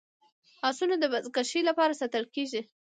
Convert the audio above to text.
اسونه د بزکشۍ لپاره ساتل کیږي.